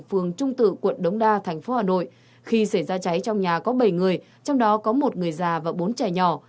phường trung tự quận đống đa thành phố hà nội khi xảy ra cháy trong nhà có bảy người trong đó có một người già và bốn trẻ nhỏ